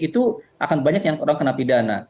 itu akan banyak yang orang kena pidana